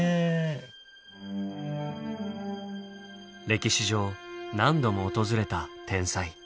歴史上何度も訪れた天災。